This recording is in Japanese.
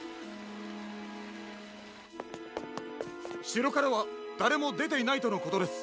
しろからはだれもでていないとのことです。